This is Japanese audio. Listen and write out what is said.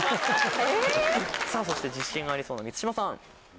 そして自信ありそうな満島さん。